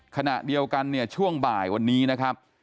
ขณะเดียวกันเนี่ยช่วงบ่ายวันนี้นะครับ